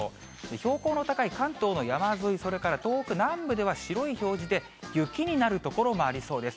標高の高い関東の山沿い、それから東北南部では白い表示で、雪になる所もありそうです。